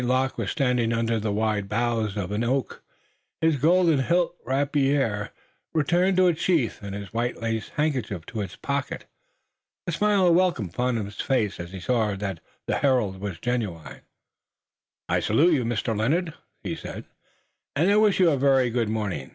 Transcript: Luc was standing under the wide boughs of an oak, his gold hilted rapier returned to its sheath and his white lace handkerchief to its pocket. The smile of welcome upon his face as he saw the herald was genuine. "I salute you, Mr. Lennox," he said, "and wish you a very good morning.